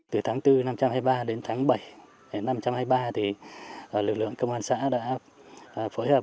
từ tháng bốn năm trăm hai mươi ba đến tháng bảy năm trăm hai mươi ba thì lực lượng công an xã đã phối hợp